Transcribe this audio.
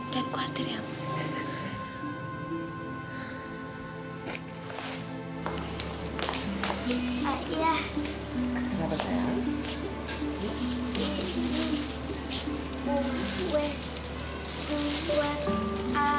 jangan khawatir ya ma